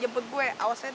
jemput gue awasnya telat